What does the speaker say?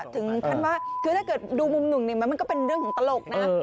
ถ้าเกิดดูมุมหนึ่งมันก็เป็นเรื่องของตลกนะ